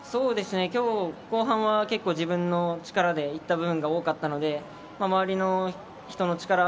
後半は自分の力でいった部分が多かったので周りの人の力